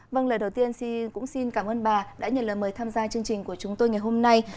vâng lời đầu tiên xin cảm ơn bà đã nhận lời mời tham gia chương trình của chúng tôi ngày hôm nay